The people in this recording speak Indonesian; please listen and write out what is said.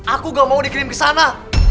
aku gak mau dikirim ke sana